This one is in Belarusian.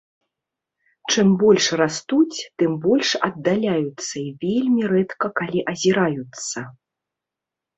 Чым больш растуць, тым больш аддаляюцца і вельмі рэдка калі азіраюцца.